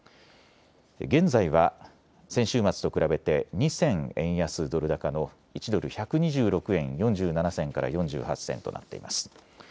現在は先週末と比べて２銭円安ドル高の１ドル１２６円４７銭から４８銭となっています。